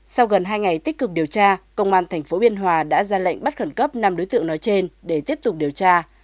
sau gần hai ngày tích cực điều tra công an tp biên hòa đã ra lệnh bắt khẩn cấp năm đối tượng nói trên để tiếp tục điều tra